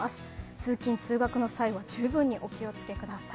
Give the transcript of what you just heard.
通勤・通学の際は十分にお気をつけください。